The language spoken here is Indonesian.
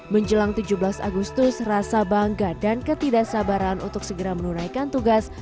menjelang tujuh belas agustus rasa bangga dan ketidaksabaran untuk segera menunaikan tugas